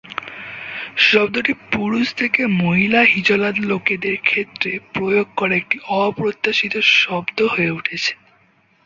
শব্দটি পুরুষ থেকে মহিলা হিজলা লোকেদের ক্ষেত্রে প্রয়োগ করা একটি অপ্রত্যাশিত শব্দ হয়ে উঠেছে।